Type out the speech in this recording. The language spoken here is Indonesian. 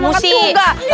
tunggu di gerbang